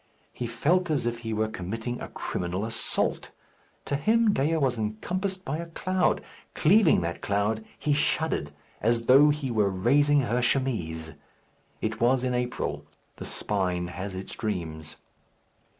He felt as if he were committing a criminal assault. To him Dea was encompassed by a cloud. Cleaving that cloud, he shuddered, as though he were raising her chemise. It was in April. The spine has its dreams.